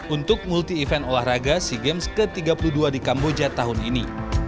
untuk multi event olahraga sea games ke tiga puluh dua di kamboja tahun ini